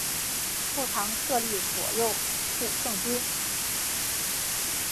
后唐设立左右护圣军。